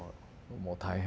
もう大変。